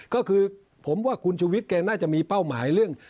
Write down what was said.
ก็คือผมว่าคุณชุวิตแกน่าจะมีเป้าหมายเรื่อง